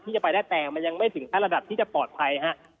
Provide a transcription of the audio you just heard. ที่จะไปได้แต่มันยังไม่ถึงขั้นระดับที่จะปลอดภัยฮะ